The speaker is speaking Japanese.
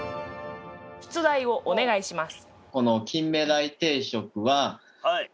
出題をお願いします。